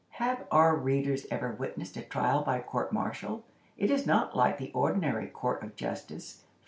Have our readers ever witnessed a trial by court martial? It is not like the ordinary court of justice.